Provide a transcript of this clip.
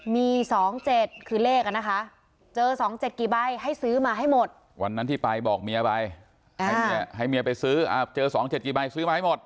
มีสองเจ็ดคือเลขนะคะเจอสองเจ็ดกี่ใบให้ซื้อมาให้หมดวันนั้นที่ไปบอกเมียไปให้เมียไปซื้อเจอสองเจ็ดกี่ใบซื้อมาให้หมด